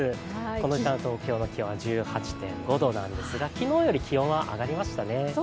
この時間東京の気温は１８．５度なんですが昨日より気温は上がりましたね。